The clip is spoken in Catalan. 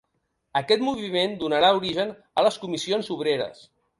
Aquest moviment donarà origen a les Comissions Obreres.